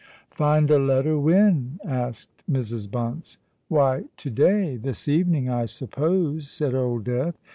"Find a letter—when?" asked Mrs. Bunce. "Why, to day—this evening, I suppose," said Old Death.